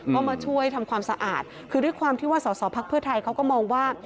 ก็มาช่วยทำความสะอาดคือด้วยความที่ว่าสอสอพักเพื่อไทยเขาก็มองว่า